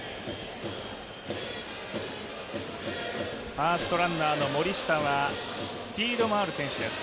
ファーストランナーの森下はスピードもある選手です。